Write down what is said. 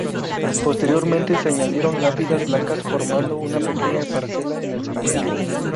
Posteriormente se añadieron lápidas blancas, formando una pequeña parcela en el cementerio.